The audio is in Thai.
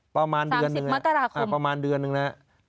ประมาณเดือนหนึ่งนะครับประมาณเดือนหนึ่งนะครับ๓๐เมตราคม